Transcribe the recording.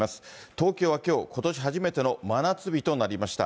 東京はきょう、ことし初めての真夏日となりました。